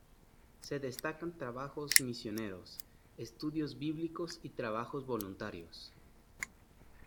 Se destacan trabajos misioneros, estudios bíblicos y trabajos voluntarios.